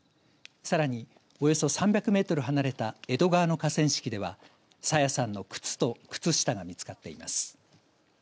さらに、およそ３００メートル離れた江戸川の河川敷では朝芽さんの靴と靴下が見つかっています。